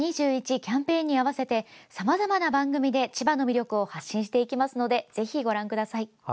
キャンペーンに合わせてさまざまな番組で千葉の魅力を発信していきますのでぜひご覧ください。